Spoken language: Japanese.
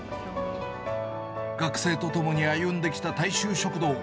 学生と共に歩んできた大衆食堂。